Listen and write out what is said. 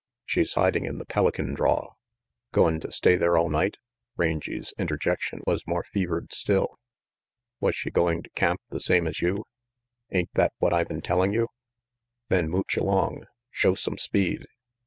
"She's hiding in the Pelican draw " "Goin' to stay there all night?" Rangy's inter jection was more fevered still. "Was she going to camp the same as you?" "Ain't that what I been telling you?" "Then mooch along. Show some speed."